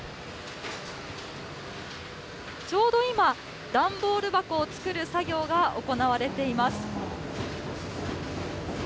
ちょうど今、段ボール箱を作る作業が行われています。